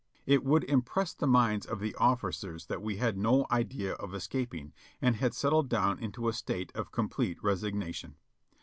It would im press the minds of the officers that we had no idea of escaping, and had settled down into a state of complete resignation.